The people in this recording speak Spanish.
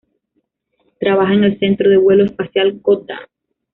Trabaja en el centro de vuelo espacial Goddard.